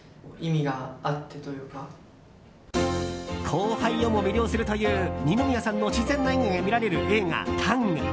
後輩をも魅了するという二宮さんの自然な演技が見られる映画「ＴＡＮＧタング」。